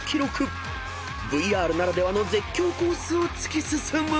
［ＶＲならではの絶叫コースを突き進む］